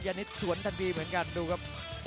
ภินิษฐ์สวนทีดีเหมือนกันดูครับ